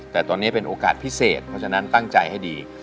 แต่ตอนนี้เป็นโอกาสพิเศษเพราะฉะนั้นตั้งใจให้ดี